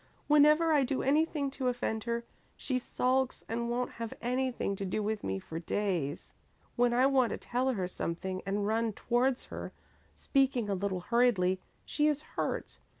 Whenever I do anything to offend her, she sulks and won't have anything to do with me for days. When I want to tell her something and run towards her, speaking a little hurriedly, she is hurt.